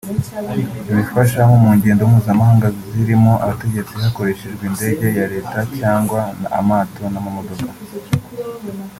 ibafasha nko mu ngendo mpuzamahanga zirimo abategetsi hakoreshejwe indege ya leta cyangwa amato n’amamodoka